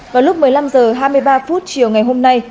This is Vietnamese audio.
vào lúc một mươi năm h hai mươi ba phút chiều ngày hôm nay